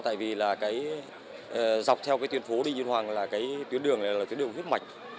tại vì là dọc theo tuyến phố đinh tiên hoàng là tuyến đường là tuyến đường huyết mạch